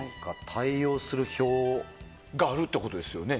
対応する表があるってことですよね。